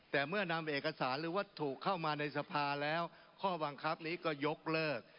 แต่เมื่อนำเอกสารหรือวัตถุเข้ามาในสภาแล้วข้อบังคับนี้ก็ยกเลิก